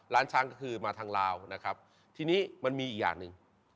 ร้านช้างก็คือมาทางลาวนะครับทีนี้มันมีอีกอย่างหนึ่ง